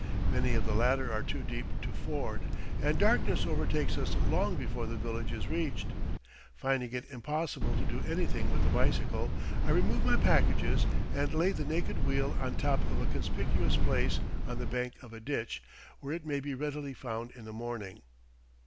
Many of the latter are too deep to ford, and darkness overtakes us long before the village is reached. Finding it impossible to do anything with the bicycle, I remove my packages and lay the naked wheel on top of a conspicuous place on the bank of a ditch, where it may be readily found in the morning.